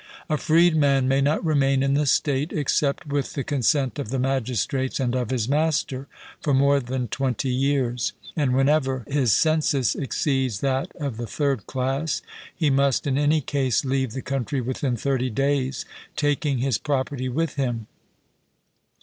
A freedman may not remain in the state, except with the consent of the magistrates and of his master, for more than twenty years; and whenever his census exceeds that of the third class, he must in any case leave the country within thirty days, taking his property with him.